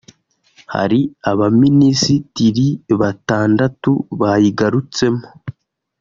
hari abaminisitiri batandatu bayigarutsemo